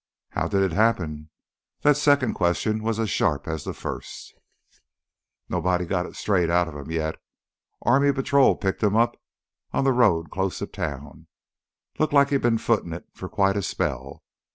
"How did it happen?" That second question was as sharp as the first. "Nobody's got it straight outta him yet. Army patrol picked him up on th' road close to town—looked like he'd been footin' it quite a spell.